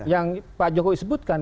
yang pak jokowi sebutkan